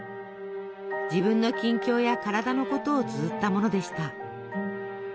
自分の近況や体のことをつづったものでした。